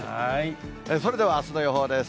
それではあすの予想です。